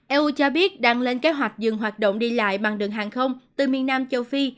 eu cho biết đang lên kế hoạch dừng hoạt động đi lại bằng đường hàng không từ miền nam châu phi